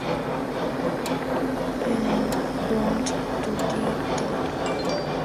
En: Born To Die Tour